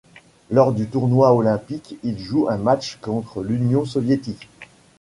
Lors du tournoi olympique, il joue un match contre l'Union soviétique.